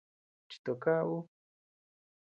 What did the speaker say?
Chito kaʼa ú.